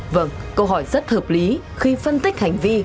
vâng câu hỏi rất hợp lý khi phân tích hành vi